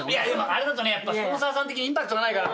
あれだとねやっぱスポンサーさん的にインパクトないから。